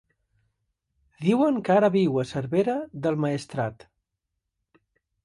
Diuen que ara viu a Cervera del Maestrat.